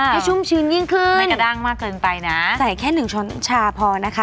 ชุ่มชื้นยิ่งขึ้นไม่กระด้างมากเกินไปนะใส่แค่หนึ่งช้อนชาพอนะคะ